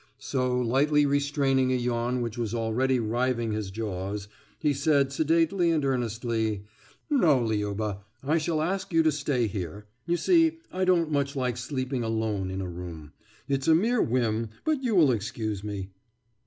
So, lightly restraining a yawn which was already riving his jaws, he said sedately and earnestly: »No, Liuba. I shall ask you to stay here. You see, I don't much like sleeping alone in a room. It's a mere whim, but you will excuse me....